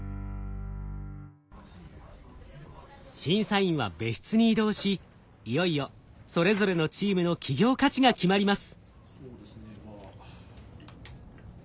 審査員は別室に移動しいよいよそれぞれのチームの企業価値が決まります。